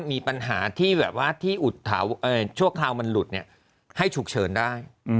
มีปัญหาที่แบบว่าที่ชั่วคราวมันหลุดให้ฉุกเฉินได้